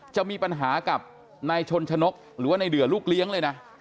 จะมีปัญหากับนายชนชนกหรือว่าในเดือลูกเลี้ยงเลยนะ